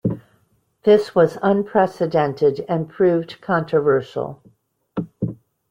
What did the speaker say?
This was unprecedented, and proved controversial.